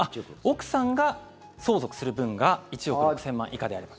奥さんが相続する分が１億６０００万以下であれば。